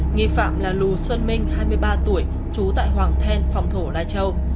nghị phạm là lù xuân minh hai mươi ba tuổi trú tại hoàng then phòng thổ lai châu